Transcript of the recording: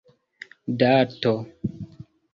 dato